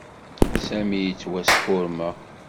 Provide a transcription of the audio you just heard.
Sami yettwaskurma.